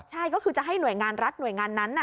ใช่ก็คือจะให้หน่วยงานรัฐหน่วยงานนั้น